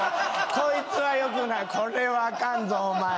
こいつはよくないこれはあかんぞお前